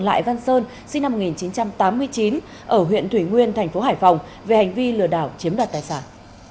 lại văn sơn sinh năm một nghìn chín trăm tám mươi chín ở huyện thủy nguyên thành phố hải phòng về hành vi lừa đảo chiếm đoạt tài sản